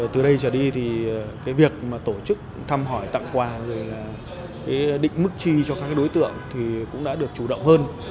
từ đây trở đi việc tổ chức thăm hỏi tặng quà định mức tri cho các đối tượng cũng đã được chủ động hơn